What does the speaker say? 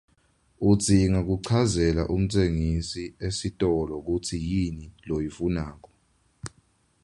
Udzinga kuchazela umtsengisi esitolo kutsi yini loyifunako.